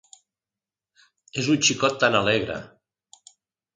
És un xicot tan alegre.